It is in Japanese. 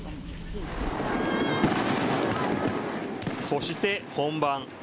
そして本番。